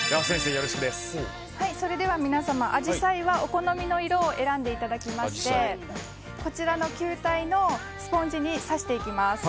それでは皆様、アジサイはお好みの色を選んでいただきましてこちらの球体のスポンジに挿していきます。